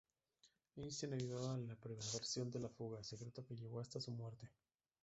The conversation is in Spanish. Einstein ayudó en la preparación de la fuga, secreto que llevó hasta su muerte.